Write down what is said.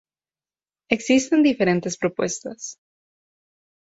Existen diferentes propuestas.